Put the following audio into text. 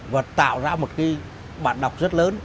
và tạo ra một cái bản đọc rất lớn